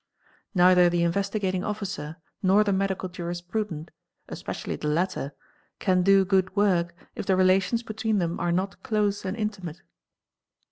Neither the Investigating Officer nor the medical — jurisprudent, especially the latter, can.do good work if the relations be | tween them are not close and intimate.